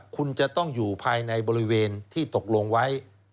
คุณจะต้องอยู่ภายในบริเวณที่ตกลงไว้